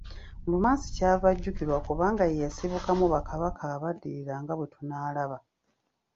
Lumansi kyava ajjukirwa kubanga ye yasibukamu Bakabaka abaddirira nga bwe tunaalaba.